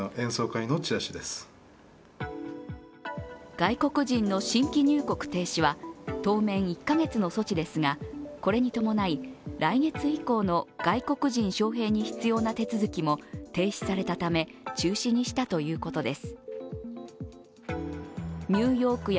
外国人の新規入国停止は当面、１カ月の措置ですが、これに伴い、来月以降の外国人招へいに必要な手続きも停止されたため、中止にしたということです。